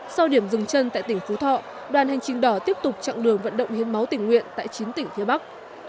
sau điểm dừng chân tại tỉnh phú thọ đoàn hành trình đỏ tiếp tục chặng đường vận động hiến máu tình nguyện tại chín tỉnh phía bắc